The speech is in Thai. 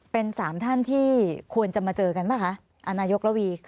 เป็น๓ท่านที่ควรจะมาเจอกันป่ะคะนายกระวี